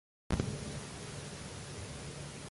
En No Way Out de nuevo derrotó a otros dos talentos locales.